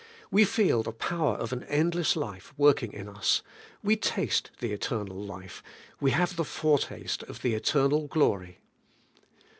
We feel the power of an endless life working in us. We taste the eternal life. We have the foretaste of the eternal glory.